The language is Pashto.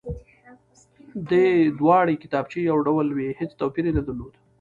دې دواړې کتابچې يو ډول وې هېڅ توپير يې نه درلود،